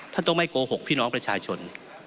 ต้องไม่โกหกพี่น้องประชาชน